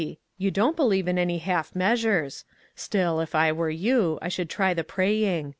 You don't believe in any half meas ures ; still, if I were you, I should try the pray ing.